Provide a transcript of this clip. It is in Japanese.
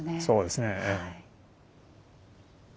そうですねええ。